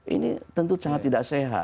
ini tentu sangat tidak sehat